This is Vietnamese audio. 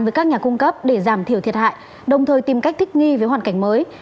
với các nhà cung cấp để giảm thiểu thiệt hại đồng thời tìm cách thích nghi với hoàn cảnh mới